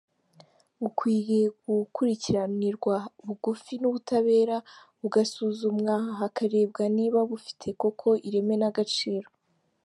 Bukwiye gukurikiranirwa bugufi n’ubutabera, bugasuzumwa hakarebwa niba bufite koko ireme n’agaciro.